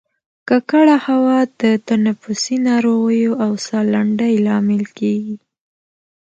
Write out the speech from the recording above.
ککړه هوا د تنفسي ناروغیو او سالنډۍ لامل کیږي